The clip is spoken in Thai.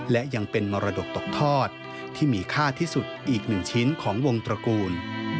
และยังเป็นมรดกตกทอดที่มีค่าที่สุดอีก๑ชิ้นของวงตระกูล